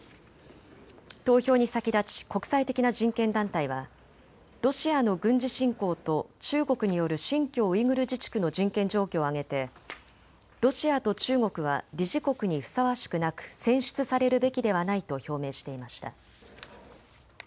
投票に先立ち国際的な人権団体はロシアの軍事侵攻と中国による新疆ウイグル自治区の人権状況を挙げてロシアと中国は理事国にふさわしくなく選出されるべきではないと表明していました。